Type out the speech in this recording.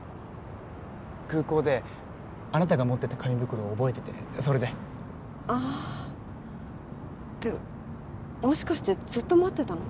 空港であなたが持ってた紙袋を覚えててそれでああってもしかしてずっと待ってたの？